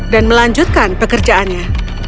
dan melanjutkan pekerjaannya